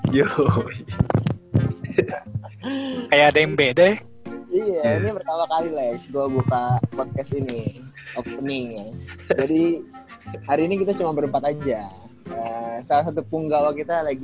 gaya ya gaya banget ya kerja anjing